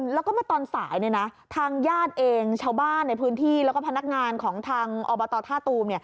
แล้วก็เมื่อตอนสายทางญาติเองชาวบ้านในพื้นที่แล้วก็พนักงานของทางอบตท่าตูม